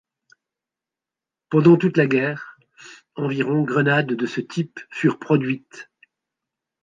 Pendant toute la guerre, environ grenades de ce type furent produites.